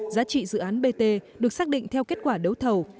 giá trị dự án bt được xác định theo kết quả đấu thầu